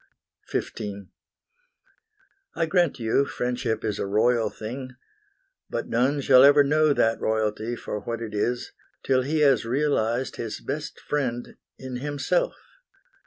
XV I grant you friendship is a royal thing, But none shall ever know that royalty For what it is till he has realized His best friend in himself.